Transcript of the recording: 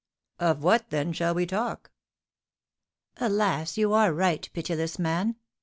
"Of what, then, shall we talk?" "Alas, you are right, pitiless man!